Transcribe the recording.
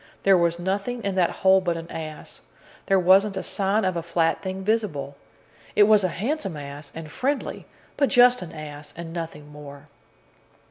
There was nothing in that hole but an ass. There wasn't a sign of a flat thing visible. It was a handsome ass, and friendly, but just an ass, and nothing more."